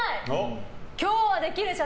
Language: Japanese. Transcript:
今日はできるでしょ。